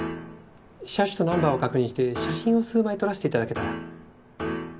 車種とナンバーを確認して写真を数枚撮らせていただけたら。